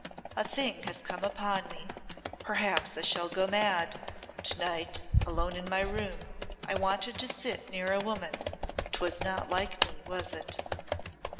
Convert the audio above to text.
A thing has come upon me perhaps I shall go mad to night, alone in my room, I wanted to sit near a woman 'twas not like me, was it?"